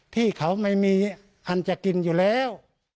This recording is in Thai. ที่เขาไม่มีอันจะกินอยู่แล้ว